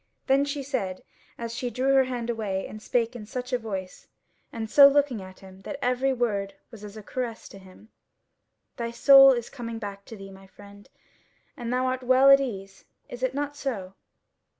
Then she said, as she drew her hand away and spake in such a voice, and so looking at him, that every word was as a caress to him: "Thy soul is coming back to thee, my friend, and thou art well at ease: is it not so?"